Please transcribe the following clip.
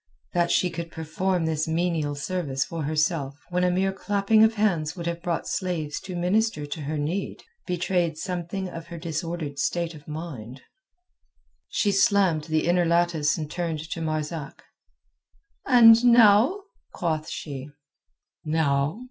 That she could perform this menial service for herself when a mere clapping of hands would have brought slaves to minister to her need betrayed something of her disordered state of mind. She slammed the inner lattice and turned to Marzak. "And now?" quoth she. "Now?"